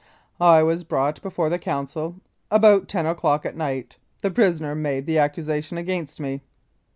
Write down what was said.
I was brought before the Council about 10 o'clock at night. The prisoner made the accusation against me.